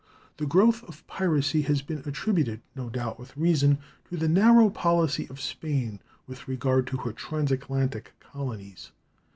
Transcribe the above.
The growth of piracy has been attributed, no doubt with reason, to the narrow policy of Spain with regard to her transatlantic colonies.